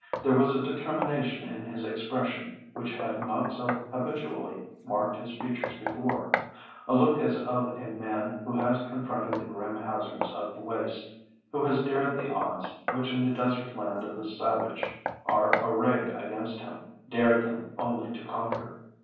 There was a determination in his expression which had not so habitually marked his features before—a look as of a man who has confronted the grim hazards of the waste—who has dared the odds which in the desert land of the savage are arrayed against him; dared them only to conquer.